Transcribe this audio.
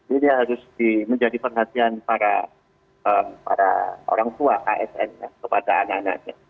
ini harus menjadi perhatian para orang tua asn kepada anak anaknya